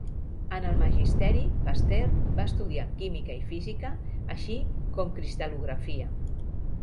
En el Magisteri, Pasteur va estudiar química i física, així com cristal·lografia.